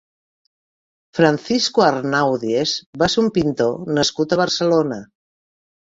Francisco Arnaudies va ser un pintor nascut a Barcelona.